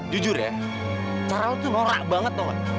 jujur ya cara lu tuh norak banget man